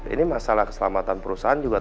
ini masalah keselamatan perusahaan